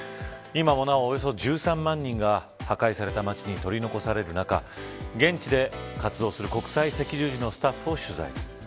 今もなお、およそ１３万人が破壊された町に取り残される中現地で活動する国際赤十字のスタッフを取材。